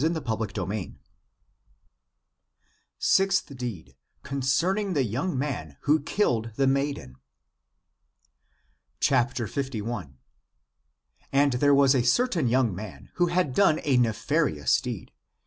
270 THE APOCRYPHAL ACTS Sixth Deed, concerning the young man who killed the MAIDEN. (Aa. pp. 167 178.) 51. And there was a certain young man, who had done a nefarious deed.